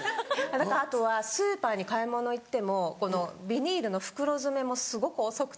あとはスーパーに買い物行ってもビニールの袋詰めもすごく遅くて。